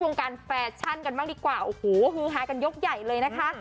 วงการแฟชั่นกันบ้างดีกว่าโอ้โหฮือฮากันยกใหญ่เลยนะคะ